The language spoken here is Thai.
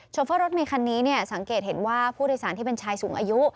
โฟรถเมคันนี้สังเกตเห็นว่าผู้โดยสารที่เป็นชายสูงอายุ